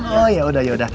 oh yaudah yaudah